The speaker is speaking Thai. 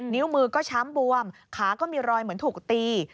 นิ้วมือก็ช้ำบวมขาก็มีรอยเหมือนถูกตี